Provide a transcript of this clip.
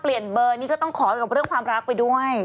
เปลี่ยนเบอร์นี้ก็ต้องขอกับเรื่องความรักไปด้วย